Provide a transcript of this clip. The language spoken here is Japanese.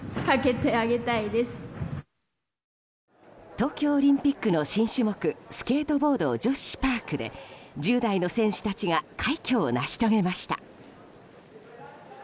東京オリンピックの新種目スケートボード女子パークで１０代の選手たちが快挙を成し遂げました。